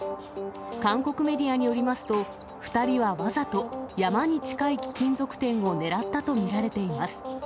韓国メディアによりますと、２人はわざと山に近い貴金属店を狙ったと見られています。